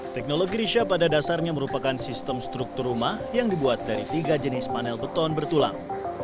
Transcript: teknologi risha pada dasarnya merupakan sistem struktur rumah yang dibuat dari tiga jenis panel beton bertulang